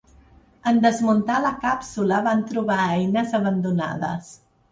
En desmuntar la càpsula van trobar eines abandonades.